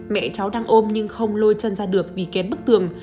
mẹ cháu đang ôm nhưng không lôi chân ra được vì kém bức tường